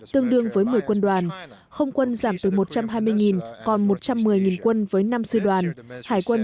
tương đương với một mươi quân đoàn không quân giảm từ một trăm hai mươi còn một trăm một mươi quân với năm sư đoàn hải quân